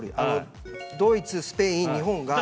ドイツ、スペイン、日本が。